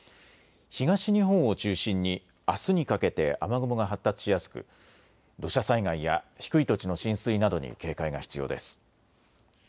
東日本を中心にあすにかけて雨雲が発達しやすく土砂災害や低い土地の浸水などに警戒が必要です。